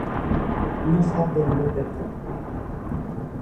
No sap ben bé per què.